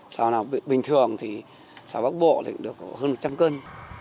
xào nào bình thường thì xào bác bộ thì cũng được hơn một trăm linh cân